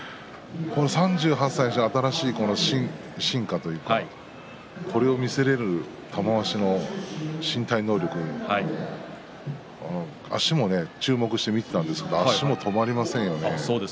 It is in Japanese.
３８歳にして新しい進化というかこれを見せられる玉鷲は身体能力足も注目して見ていたんですが止まりませんでしたね。